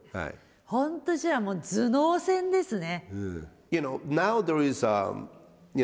本当じゃあ頭脳戦ですね。